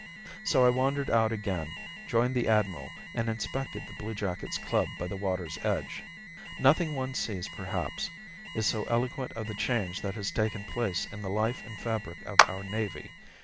So I wandered out again, joined the admiral, and inspected the Bluejackets' Club by the water's edge. Nothing one sees, perhaps, is so eloquent of the change that has taken place in the life and fabric of our navy.